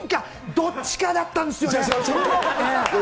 どっちかだったんですよね。